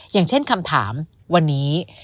อย่างเช่นคำถามวันนี้